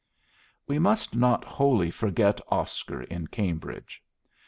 We must not wholly forget Oscar in Cambridge.